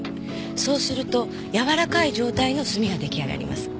そうすると柔らかい状態の墨が出来上がります。